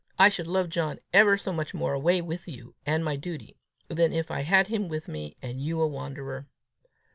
I should love John ever so much more away with you and my duty, than if I had him with me, and you a wanderer.